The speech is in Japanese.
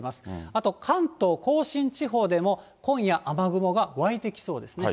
あと関東甲信地方でも、今夜、雨雲が湧いてきそうですね。